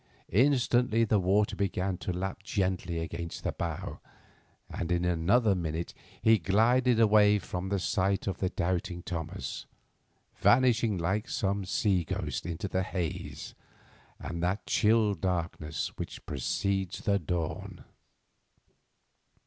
Instantly the water began to lap gently against the bow, and in another minute he glided away from the sight of the doubting Thomas, vanishing like some sea ghost into the haze and that chill darkness which precedes the dawn.